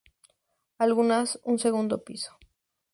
Algunas un segundo piso.